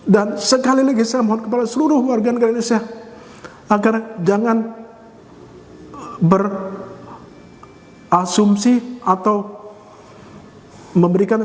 dan sekali lagi saya mohon kepada seluruh warga negara indonesia agar jangan berasumsi atau memberikan